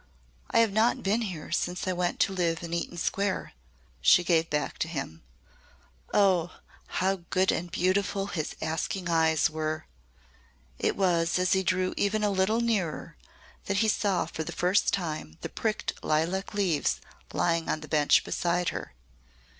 I have not been here since I went to live in Eaton Square," she gave back to him. Oh! how good and beautiful his asking eyes were! It was as he drew even a little nearer that he saw for the first time the pricked lilac leaves lying on the bench beside her.